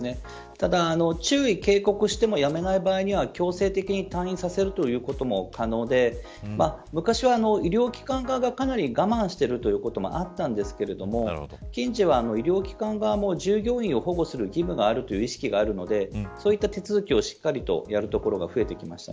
ただ注意、警告してもやめない場合には強制的に退院させるということも可能で、昔は医療機関側が我慢しているということもあったんですけど近年は医療機関側も従業員を保護する義務があるという意識があるのでそういった手続きをしっかりやるところが増えてきました。